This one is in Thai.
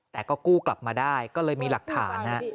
แต่ก็กู้กลับมาได้ก็เลยมีหลักฐานฮะ